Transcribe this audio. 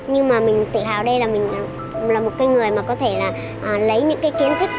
nhưng mà mình tự hào đây là mình là một cái người mà có thể là lấy những cái kiến thức